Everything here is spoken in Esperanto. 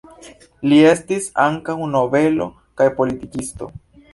Li estis ankaŭ nobelo kaj politikisto.